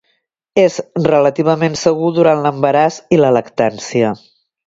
És relativament segur durant l'embaràs i la lactància.